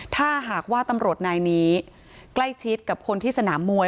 ถ้าหากว่าตำรวจนายนี้ใกล้ชิดกับคนที่สนามมวย